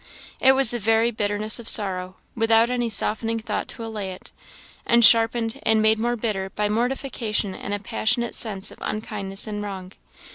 It was the very bitterness of sorrow, without any softening thought to allay it, and sharpened and made more bitter by mortification and a passionate sense of unkindness and wrong.